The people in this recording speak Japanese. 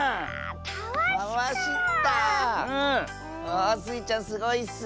あスイちゃんすごいッス！